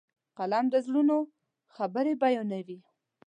قلم د زړونو خبرې بیانوي.